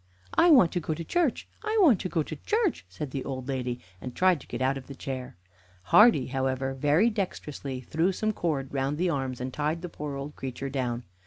"I want to go to church I want to go to church!" said the old lady, and tried to get out of the chair. Hardy, however, very dexterously threw some cord round the arms, and tied the poor old creature down.